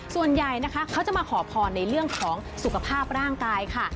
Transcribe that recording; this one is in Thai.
ส่วนใหญ่นะคะเขาจะมาขอพรในเรื่องของสุขภาพร่างกายค่ะ